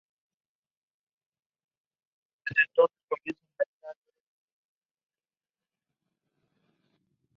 Pronto, el video apareció en otras cadenas de televisión europeas y mundiales.